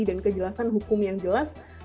dan kejelasan hukum yang jelas